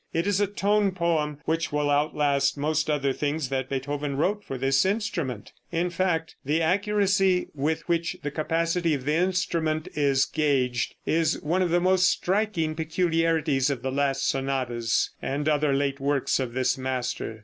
It is a tone poem which will outlast most other things that Beethoven wrote for this instrument. In fact, the accuracy with which the capacity of the instrument is gauged is one of the most striking peculiarities of the last sonatas and other late works of this master.